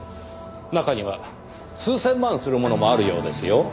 中には数千万するものもあるようですよ。